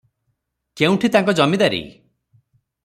କେଉଁଠି ତାଙ୍କ ଜମିଦାରୀ?